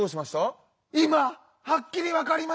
いまはっきりわかりました！